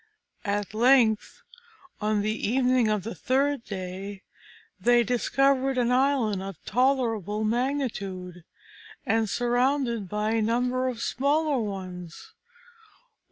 At length, on the evening of the third day, they discovered an island of tolerable magnitude, and surrounded by a number of smaller ones.